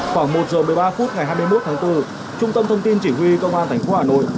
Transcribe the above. khoảng một giờ một mươi ba phút ngày hai mươi một tháng bốn trung tâm thông tin chỉ huy công an tp hà nội